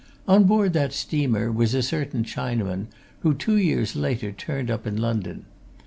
On board that steamer was a certain Chinaman, who, two years later, turned up in London.